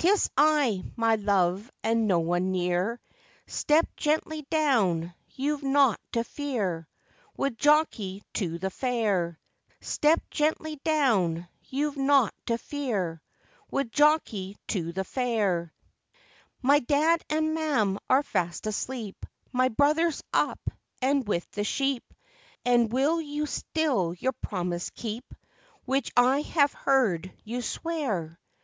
''Tis I, my love, and no one near; Step gently down, you've nought to fear, With Jockey to the fair.' Step gently down, &c. 'My dad and mam are fast asleep, My brother's up, and with the sheep; And will you still your promise keep, Which I have heard you swear?